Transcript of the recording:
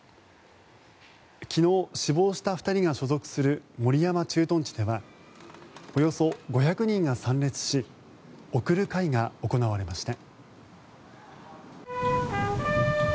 昨日、死亡した２人が所属する守山駐屯地ではおよそ５００人が参列し送る会が行われました。